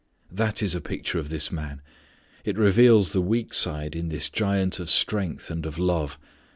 That is a picture of this man. It reveals the weak side in this giant of strength and of love.